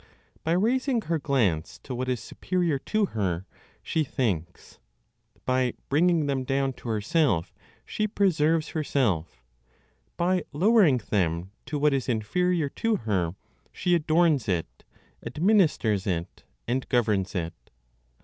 By raising her glance to what is superior to her, she thinks; by bringing them down to herself, she preserves herself; by lowering them to what is inferior to her, she adorns it, administers it, and governs it.